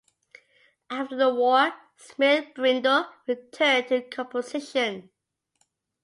After the war, Smith Brindle returned to composition.